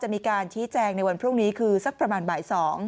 มีการชี้แจงในวันพรุ่งนี้คือสักประมาณบ่าย๒